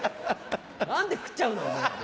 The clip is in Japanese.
何で食っちゃうの！